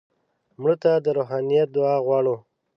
مړه ته د روحانیت دعا غواړو